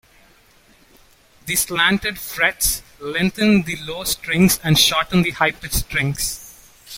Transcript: The slanted frets lengthen the low strings and shorten the high-pitched strings.